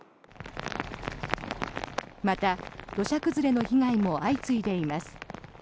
また、土砂崩れの被害も相次いでいます。